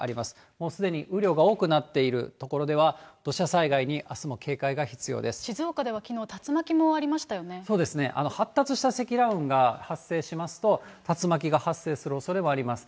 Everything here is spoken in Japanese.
もうすでに雨量が多くなっている所では、静岡では、そうですね、発達した積乱雲が発生しますと、竜巻が発生するおそれもあります。